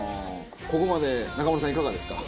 ここまで中丸さんいかがですか？